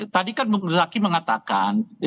tadi kan bung zaki mengatakan